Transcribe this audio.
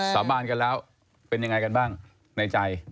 สาบานกันแล้วเป็นยังไงกันบ้างในใจ